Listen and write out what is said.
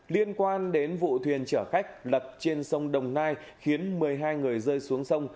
liên quan đến vụ thuyền chở khách lật trên sông đồng nai khiến một mươi hai người rơi xuống sông